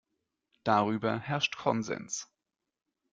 Darüber herrscht Konsens.